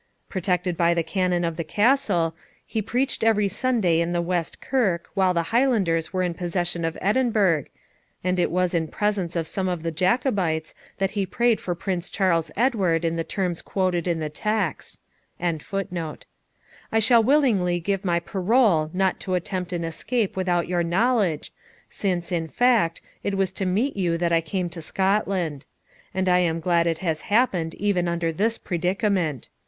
Protected by the cannon of the Castle, he preached every Sunday in the West Kirk while the Highlanders were in possession of Edinburgh, and it was in presence of some of the Jacobites that he prayed for Prince Charles Edward in the terms quoted in the text.] I shall willingly give my parole not to attempt an escape without your knowledge, since, in fact, it was to meet you that I came to Scotland; and I am glad it has happened even under this predicament.